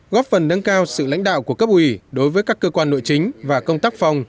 góp phần nâng cao sự lãnh đạo của cấp ủy đối với các cơ quan nội chính và công tác phòng